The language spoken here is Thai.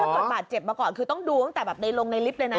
เกิดบาดเจ็บมาก่อนคือต้องดูตั้งแต่แบบในลงในลิฟต์เลยนะ